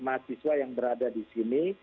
mahasiswa yang berada di sini